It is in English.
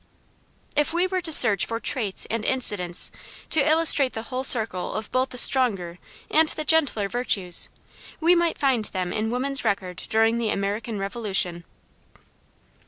If we were to search for traits and incidents to illustrate the whole circle of both the stronger and the gentler virtues, we might find them in woman's record during the American Revolution.